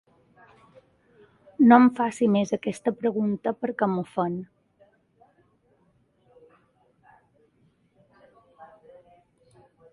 No em faci més aquesta pregunta perquè m’ofèn.